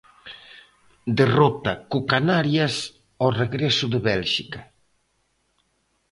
Derrota co Canarias ao regreso de Bélxica.